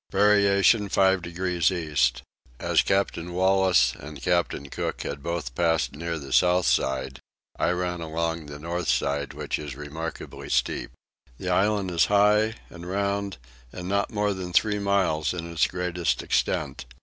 Variation five degrees east. As Captain Wallis and Captain Cook had both passed near the south side, I ran along the north side, which is remarkably steep. The island is high and round and not more than three miles in its greatest extent.